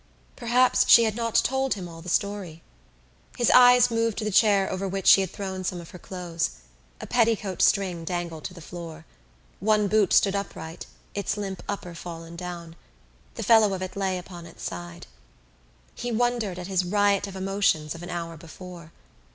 Perhaps she had not told him all the story. His eyes moved to the chair over which she had thrown some of her clothes. A petticoat string dangled to the floor. One boot stood upright, its limp upper fallen down: the fellow of it lay upon its side. He wondered at his riot of emotions of an hour before.